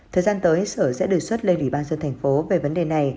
thời gian tới sở sẽ đề xuất lên ủy ban dân thành phố về vấn đề này